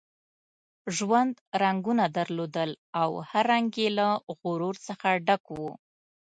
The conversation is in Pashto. ژوند رنګونه درلودل او هر رنګ یې له غرور څخه ډک وو.